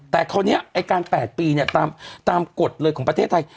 แต่คราวนี้ไอ้การ๘ปีเนี่ยตามกฎเลยของประเทศไทย